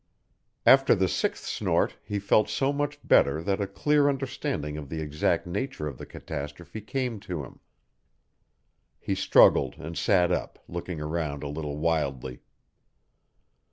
After the sixth snort he felt so much better that a clear understanding of the exact nature of the catastrophe came to him; he struggled and sat up, looking around a little wildly.